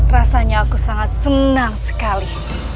rasanya aku sangat senang sekali